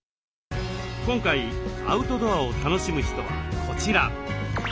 今回アウトドアを楽しむ人はこちら。